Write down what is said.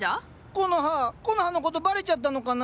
コノハコノハのことバレちゃったのかなあ？